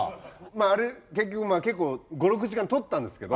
あれ結局５６時間撮ったんですけど。